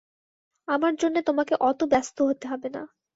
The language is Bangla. আমার জন্যে তোমাকে অত ব্যস্ত হতে হবে না।